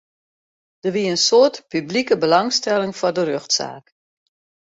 Der wie in soad publike belangstelling foar de rjochtsaak.